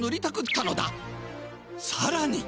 さらに！